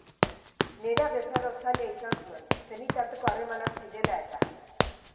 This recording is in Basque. Nerabezaro zaila izan zuen, senitarteko harremanak zirela-eta.